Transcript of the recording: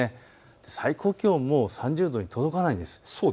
最高気温、もう３０度に届かないんです。